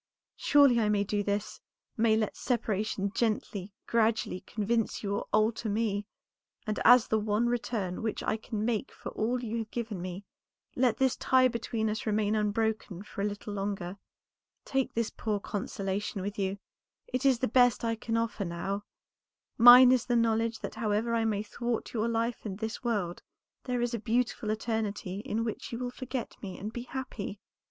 Surely I may do this; may let separation gently, gradually convince you or alter me; and as the one return which I can make for all you have given me, let this tie between us remain unbroken for a little longer. Take this poor consolation with you; it is the best that I can offer now. Mine is the knowledge that however I may thwart your life in this world, there is a beautiful eternity in which you will forget me and be happy."